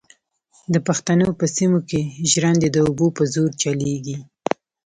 د پښتنو په سیمو کې ژرندې د اوبو په زور چلېږي.